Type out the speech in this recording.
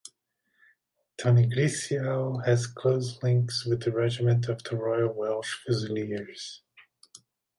Tanygrisiau has close links with the regiment of the Royal Welsh Fusiliers.